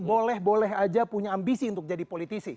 boleh boleh aja punya ambisi untuk jadi politisi